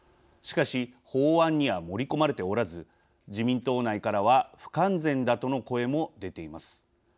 しかし、法案には盛り込まれておらず自民党内からは不完全だとの声も出ています。